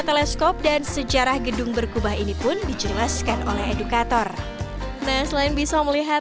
teleskop dan sejarah gedung berkubah ini pun dijelaskan oleh edukator nah selain bisa melihat